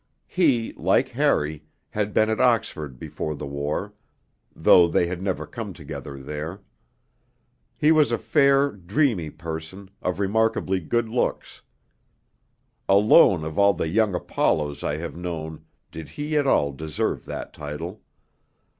He, like Harry, had been at Oxford before the war, though they had never come together there. He was a fair, dreamy person, of remarkably good looks. Alone of all the 'young Apollos' I have known did he at all deserve that title.